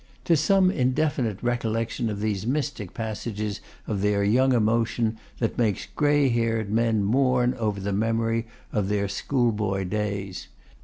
Tis some indefinite recollection of these mystic passages of their young emotion that makes grey haired men mourn over the memory of their schoolboy days.